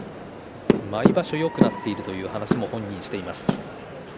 毎場所よくなっているという話も本人はしています。